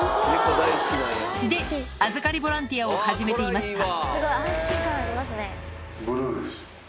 で、預かりボランティアを始めていました。